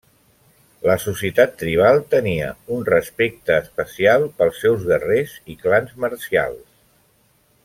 La societat tribal tenia un respecte especial pels seus guerrers i clans marcials.